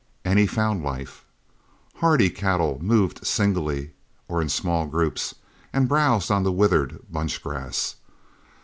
And he found life. Hardy cattle moved singly or in small groups and browsed on the withered bunch grass.